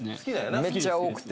めっちゃ多くて。